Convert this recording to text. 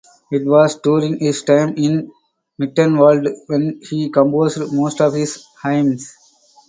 It was during his time in Mittenwalde when he composed most of his hymns.